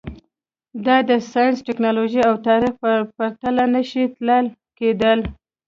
دا د ساینس، ټکنالوژۍ او تاریخ په تله نه شي تلل کېدای.